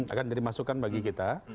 akan dimasukkan bagi kita